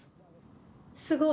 すごい。